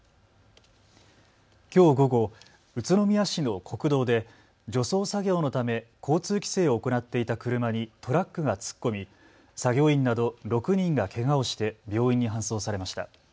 きょう午後、宇都宮市の国道で除草作業のため、交通規制を行っていた車にトラックが突っ込み、作業員など６人がけがをして病院に搬送されました。